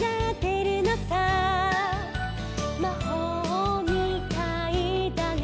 「まほうみたいだね